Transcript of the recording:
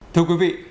thưa quý vị